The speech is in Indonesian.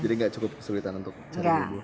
jadi gak cukup kesulitan untuk cara bubur